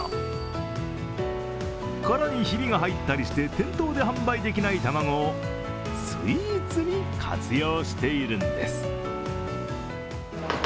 殻にヒビが入ったりして店頭で販売できない卵をスイーツに活用しているんです。